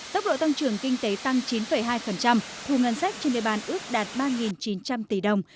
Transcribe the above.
tốc độ tăng trưởng kinh tế tăng chín hai thu ngân sách trên địa bàn ước đạt ba chín trăm linh tỷ đồng